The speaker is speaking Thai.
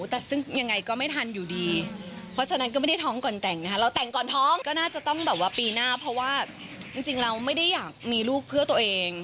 แต่ซึ่งยังไงก็ไม่ทันอยู่ดีเพราะฉะนั้นก็ไม่ได้ท้องก่อนแต่งนะคะเราแต่งก่อนท้องก็น่าจะต้องแบบว่าปีหน้าเพราะว่าจริงเราไม่ได้อยากมีลูกเพื่อตัวเอง